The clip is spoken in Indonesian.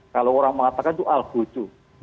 kalau orang mengatakan itu al khucu